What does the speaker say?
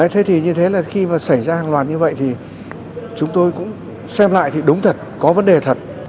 thế thì như thế là khi mà xảy ra hàng loạt như vậy thì chúng tôi cũng xem lại thì đúng thật có vấn đề thật